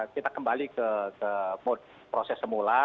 kita kembali ke proses semula